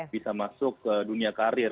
bisa masuk ke dunia karir